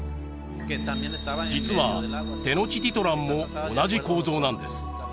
実はテノチティトランも同じ構造なんです